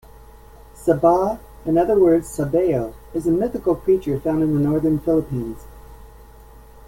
Sabaw, in other words Sah-Bao, is a mythical creature found in the Northern Philippines.